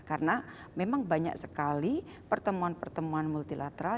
karena memang banyak sekali pertemuan pertemuan multilateral